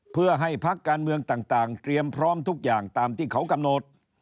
เพื่อให้พักการเมืองต่างเตรียมพร้อมทุกอย่างตามที่เขากำหนด